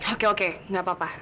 oke oke gak apa apa